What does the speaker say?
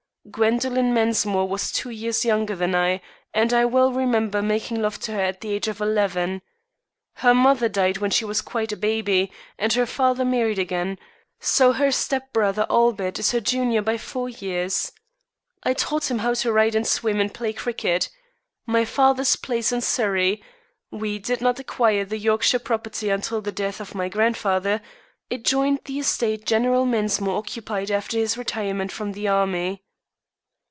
Gwendoline Mensmore was two years younger than I, and I well remember making love to her at the age of eleven. Her mother died when she was quite a baby, and her father married again, so her step brother Albert is her junior by four years. I taught him how to ride and swim and play cricket. My father's place in Surrey we did not acquire the Yorkshire property until the death of my grandfather adjoined the estate General Mensmore occupied after his retirement from the army.